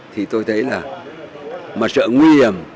thì tôi thấy là mặt sợ nguy hiểm